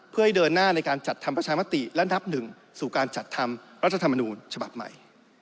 เพื่อให้เดินหน้าในการจัดทำประชามติและนับหนึ่งสู่การจัดทำรัฐธรรมนูญฉบับใหม่